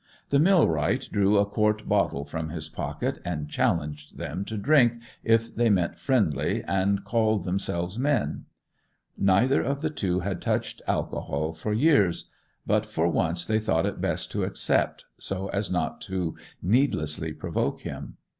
The millwright drew a quart bottle from his pocket, and challenged them to drink if they meant friendly and called themselves men. Neither of the two had touched alcohol for years, but for once they thought it best to accept, so as not to needlessly provoke him.